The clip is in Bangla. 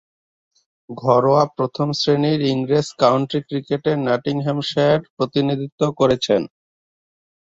ঘরোয়া প্রথম-শ্রেণীর ইংরেজ কাউন্টি ক্রিকেটে নটিংহ্যামশায়ারের প্রতিনিধিত্ব করেছেন।